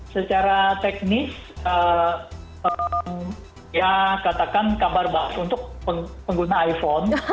secara teknis ya katakan kabar bahwa untuk pengguna iphone